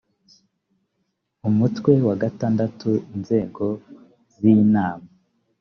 umutwe wa gatandatu inzego z inama